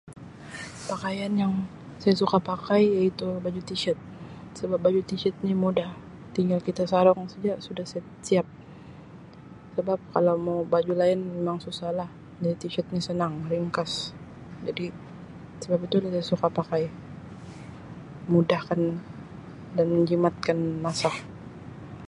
Pakaian yang saya suka pakai iaitu baju T Shirt sebab baju T Shirt ni mudah tinggal kita sarung saja sudah sep siap sebab kalau mau baju lain memang susah lah jadi T Shirt ni senang ringkas jadi sebab itu lah saya suka pakai mudahkan dan menjimatkan masa.